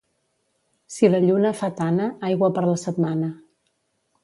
Si la lluna fa tana, aigua per la setmana.